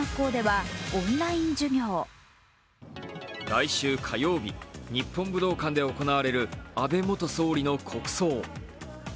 来週火曜日、日本武道館で行われる安倍元総理の国葬。